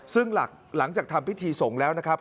ซึ่งหลังจากทำพิธีสงฆ์แล้วนะครับ